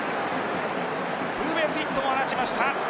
ツーベースヒットを放ちました。